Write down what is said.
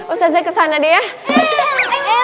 ustazah kesana deh ya